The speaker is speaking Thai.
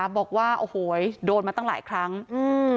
บอกว่าโอ้โหโดนมาตั้งหลายครั้งอืม